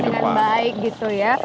dengan baik gitu ya